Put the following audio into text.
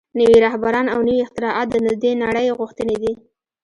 نوي رهبران او نوي اختراعات د دې نړۍ غوښتنې دي